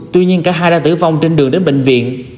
tuy nhiên cả hai đã tử vong trên đường đến bệnh viện